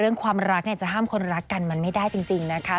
เรื่องความรักจะห้ามคนรักกันมันไม่ได้จริงนะคะ